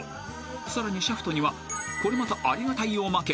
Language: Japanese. ［さらにシャフトにはこれまたありがたいおまけ］